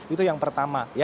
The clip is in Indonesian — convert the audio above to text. itu yang pertama